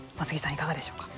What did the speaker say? いかがでしょうか。